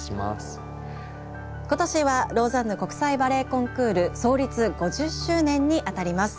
今年はローザンヌ国際バレエコンクール創立５０周年にあたります。